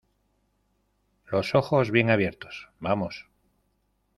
los ojos bien abiertos, ¡ vamos!